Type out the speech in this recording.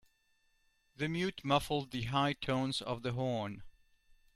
The mute muffled the high tones of the horn.